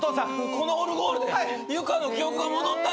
このオルゴールでユカの記憶が戻ったんだよ！